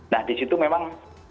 nah di situ memang